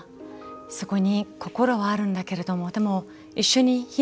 そこに心はあるんだけれどもでも一緒に避難してきた